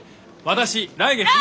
私来月で。